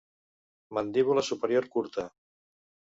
Mandíbula superior curta.